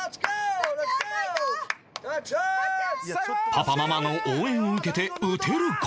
パパママの応援を受けて打てるか？